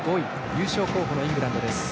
優勝候補のイングランドです。